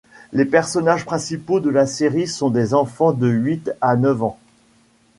Les personnages principaux de la série sont des enfants de huit à neuf ans.